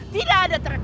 tidak ada tercuali